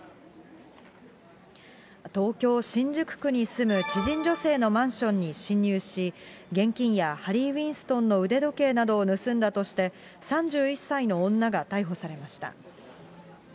東京・新宿区に住む知人女性のマンションに侵入し、現金やハリー・ウィンストンの腕時計などを盗んだとして、３１歳の女が逮捕されました。